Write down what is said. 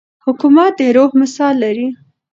حکومت د روح مثال لري.